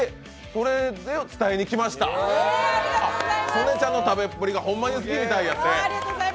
曽根ちゃんの食べっぷりがホンマに好きなんやて。